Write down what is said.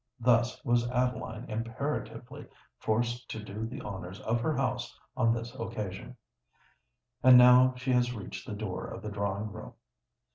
Thus was Adeline imperatively forced to do the honours of her house on this occasion. And now she has reached the door of the drawing room.